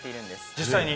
実際に。